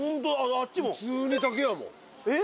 あっちも普通に竹やもんえっ？